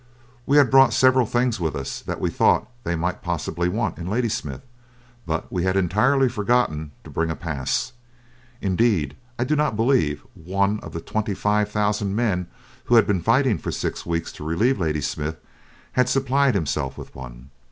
We had brought several things with us that we thought they might possibly want in Ladysmith, but we had entirely forgotten to bring a pass. Indeed I do not believe one of the twenty five thousand men who had been fighting for six weeks to relieve Ladysmith had supplied himself with one.